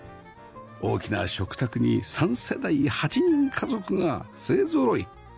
大きな食卓に３世代８人家族が勢ぞろい